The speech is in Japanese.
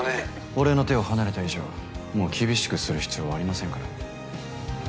俺の手を離れた以上もう厳しくする必要はありませんから。